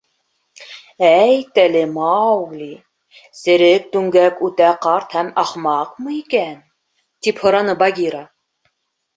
— Әйт әле, Маугли, Серек Түңгәк үтә ҡарт һәм ахмаҡмы икән? — тип һораны Багира.